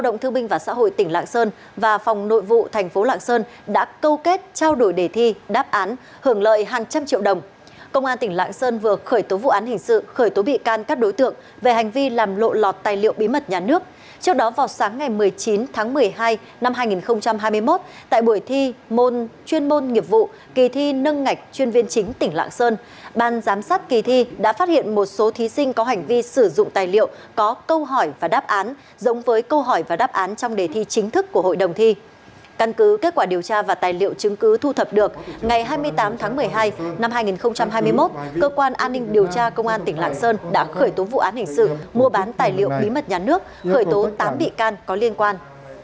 ngày hai mươi tám tháng một mươi hai năm hai nghìn hai mươi một cơ quan an ninh điều tra công an tỉnh lạng sơn đã khởi tố vụ án hình sự mua bán tài liệu bí mật nhà nước khởi tố tám bị can có liên quan